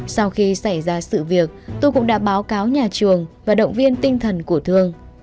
sau khi xảy ra sự việc tôi cũng đã báo cáo nhà trường và động viên tinh thần của thương